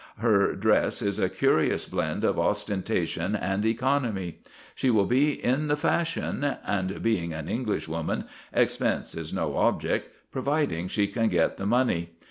Her dress is a curious blend of ostentation and economy. She will be in the fashion; and, being an Englishwoman, "expense is no object," providing she can get the money.